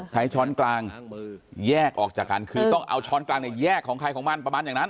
ช้อนกลางแยกออกจากกันคือต้องเอาช้อนกลางเนี่ยแยกของใครของมันประมาณอย่างนั้น